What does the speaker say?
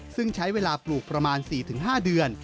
ซึ่งใช้เวลาปลูกประมาณ๔๕เดือน